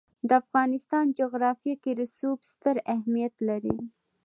د افغانستان جغرافیه کې رسوب ستر اهمیت لري.